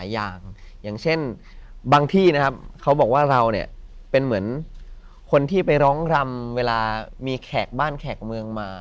อย่างอย่างเช่นบางที่นะครับเขาบอกว่าเราเนี่ยเป็นเหมือนคนที่ไปร้องรำเวลามีแขกบ้านแขกเมืองมา